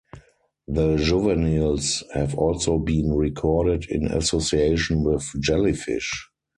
The juveniles have also been recorded in association with jellyfish.